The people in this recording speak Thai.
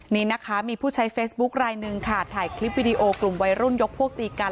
นี่นะคะมีผู้ใช้เฟซบุ๊คลายหนึ่งค่ะถ่ายคลิปวิดีโอกลุ่มวัยรุ่นยกพวกตีกัน